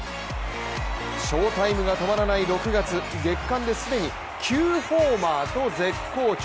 翔タイムが止まらない６月月間で既に９ホーマーと絶好調。